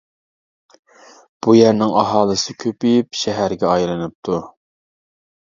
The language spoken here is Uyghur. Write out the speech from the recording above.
بۇ يەرنىڭ ئاھالىسى كۆپىيىپ شەھەرگە ئايلىنىپتۇ.